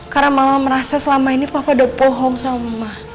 karena mama merasa selama ini papa udah pohong sama mama